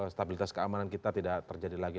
stabilitas keamanan kita tidak terjadi lagi